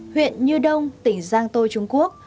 huyện như đông tỉnh giang tô trung quốc